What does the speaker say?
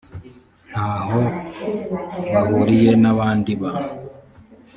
nta ho bahuriye n’abandi bantu